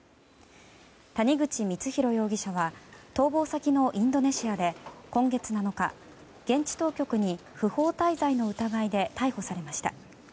谷口光弘容疑者は逃亡先のインドネシアで今月７日、現地当局に不法滞在の疑いで逮捕されました。